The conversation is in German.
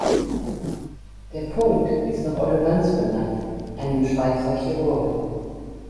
Der Punkt ist nach Otto Lanz benannt, einem Schweizer Chirurgen.